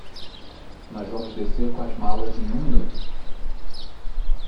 Nós vamos descer com as malas em um minuto.